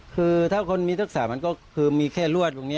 คือถ้าคนทึกษาด้านนี้มันก็แค่รวด